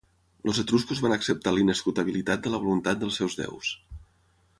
Els etruscos van acceptar l'inescrutabilitat de la voluntat dels seus déus.